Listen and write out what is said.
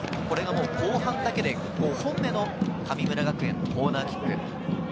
後半だけで５本目の神村学園コーナーキック。